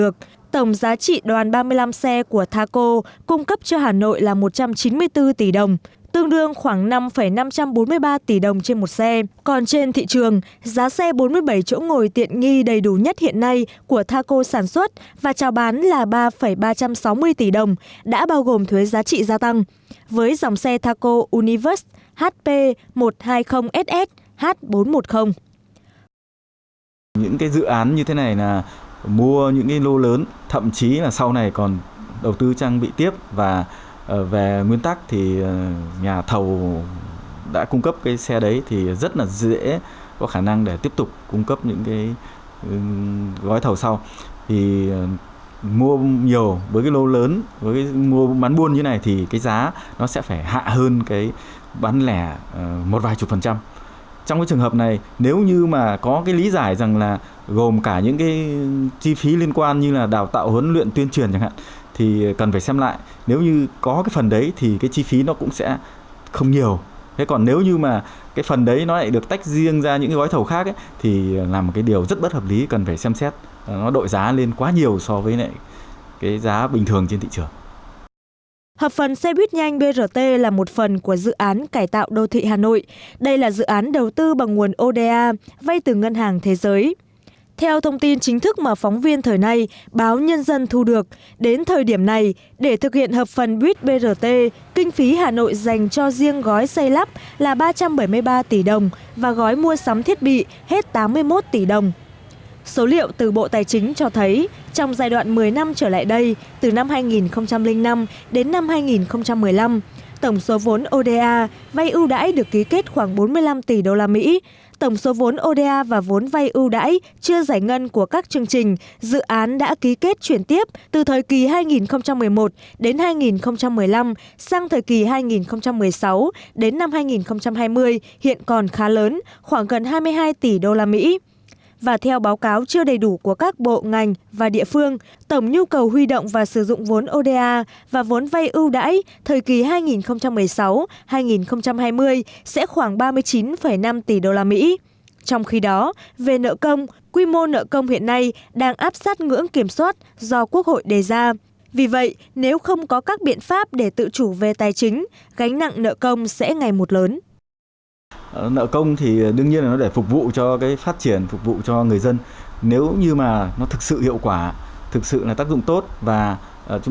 các đối tượng hoạt động ngày càng tinh vi có tổ chức và manh động hơn nhằm đưa các loại hàng lậu vào nội địa tiêu thụ